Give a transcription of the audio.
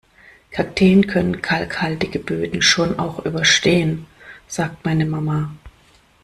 Kakteen können kalkhaltige Böden schon auch überstehen, sagt meine Mama.